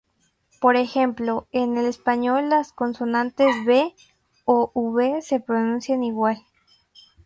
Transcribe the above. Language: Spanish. Por ejemplo, en el español las consonantes "b" o "v" se pronuncian igual.